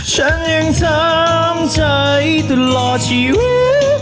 ฉันยังถามใจตลอดชีวิต